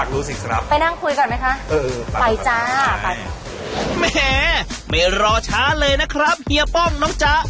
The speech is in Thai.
แหมไม่รอช้าเลยนะครับเฮียป้องน้องจ้า